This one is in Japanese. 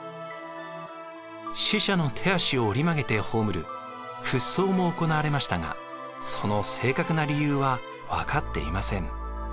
死者の手足を折り曲げて葬る屈葬も行われましたがその正確な理由は分かっていません。